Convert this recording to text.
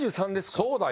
そうだよ。